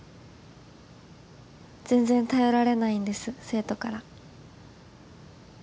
全然頼られないんです生徒から。